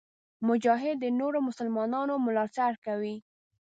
مجاهد د نورو مسلمانانو ملاتړ کوي.